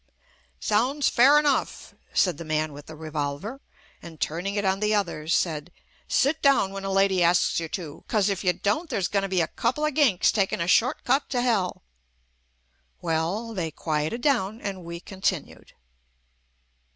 "Sounds fair enough/' said the man with the revolver, and turning it on the others said, "Sit down when a lady asks you to, 'cause if you don't there's going to be a couple of ginks takin' a short cut to Hell." Well — they quieted down and we continued.